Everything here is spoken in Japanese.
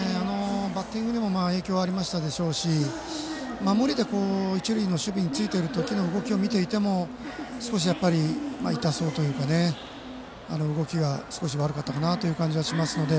バッティングにも影響はあったでしょうし守りで、一塁の守備についている時の動きを見ても少し痛そうというか動きが少し悪かった感じがしますので。